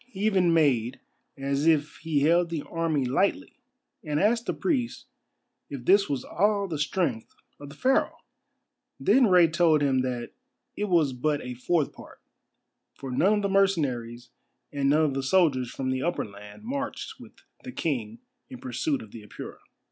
He even made as if he held the army lightly, and asked the priest if this was all the strength of Pharaoh! Then Rei told him that it was but a fourth part, for none of the mercenaries and none of the soldiers from the Upper Land marched with the King in pursuit of the Apura.